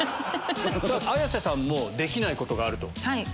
綾瀬さんもできないことがあると。